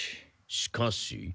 しかし？